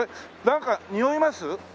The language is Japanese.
なんかにおいます？